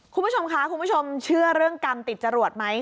คุณผู้ชมคะคุณผู้ชมเชื่อเรื่องกรรมติดจรวดไหม